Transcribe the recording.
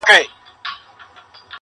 د اباسین څپې دي یوسه کتابونه٫